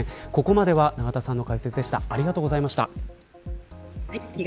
ここまでは永田さんの解説でした。